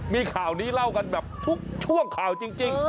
มีข่าวนี้เล่ากันแบบทุกช่วงข่าวจริง